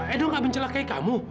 edo nggak mencelakai kamu